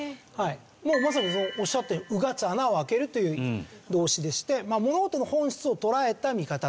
まさにおっしゃったように「穿つ」「穴をあける」という動詞でして物事の本質を捉えた見方と。